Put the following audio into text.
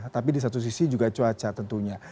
tapi di satu sisi juga cuaca tentunya